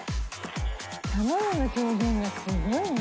卵の表現がすごいね。